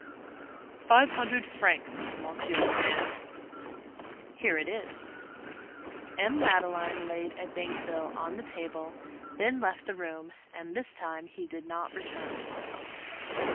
"Five hundred francs, Monsieur le Maire." "Here it is." M. Madeleine laid a bank bill on the table, then left the room; and this time he did not return.